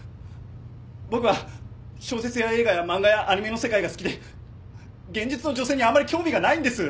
僕は小説や映画や漫画やアニメの世界が好きで現実の女性にあんまり興味がないんです。